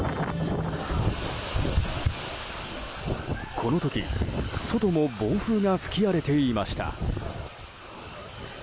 この時、外も暴風が吹き荒れていました。